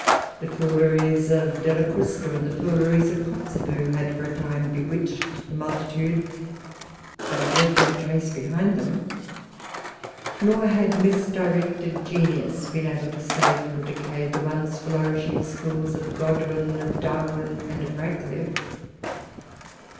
The fooleries of Della Crusca, and the fooleries of Kotzebue, had for a time bewitched the multitude, but had left no trace behind them; nor had misdirected genius been able to save from decay the once flourishing schools of Godwin, of Darwin, and of Radcliffe.